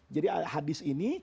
jadi hadis ini